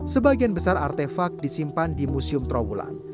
sebagian besar artefak disimpan di museum trawulan